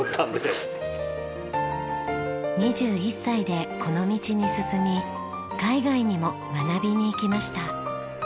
２１歳でこの道に進み海外にも学びに行きました。